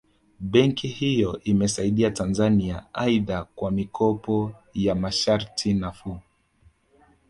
Benki hiyo imeisaidia Tanzania aidha kwa mikopo ya masharti nafuu